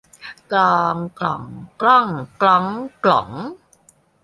กลอง กล่อง กล้อง กล๊อง กล๋อง